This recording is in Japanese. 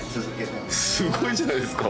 すごいじゃないですか。